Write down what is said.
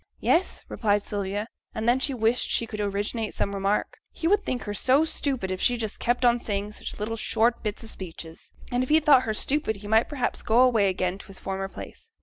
'Yes,' replied Sylvia, and then she wished she could originate some remark; he would think her so stupid if she just kept on saying such little short bits of speeches, and if he thought her stupid he might perhaps go away again to his former place.